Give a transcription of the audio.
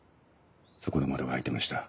そこの窓が開いてました。